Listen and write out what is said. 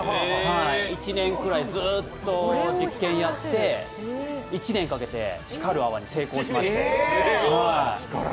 １年くらいずっと実験やって、１年かけて光る泡に成功しました。